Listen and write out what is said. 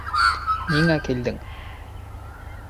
— Ниңә килдең?